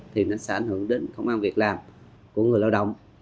thì nó sẽ ảnh hưởng đến công an việc làm của người lao động